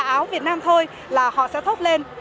nhìn thấy việt nam thôi là họ sẽ thốt lên